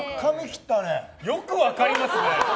よく分かりますね。